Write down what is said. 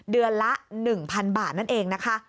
เดือนละ๑๐๐๐บาทนั่นเองนะคะ